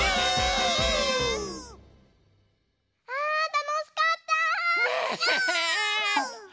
あたのしかった！ね。